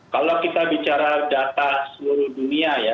kalau kita bicara data seluruh dunia ya